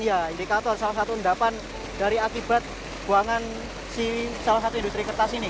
iya indikator salah satu endapan dari akibat buangan si salah satu industri kertas ini